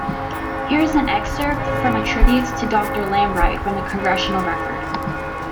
Here is an excerpt from a tribute to Doctor Lambright from the Congressional Record.